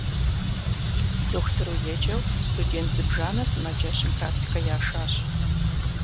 Дохутыру еджэу студент зыбжанэ сымаджэщым практикэ яшащ.